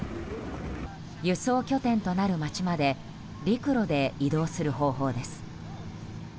輸送拠点となる街まで陸路で移動する方法です。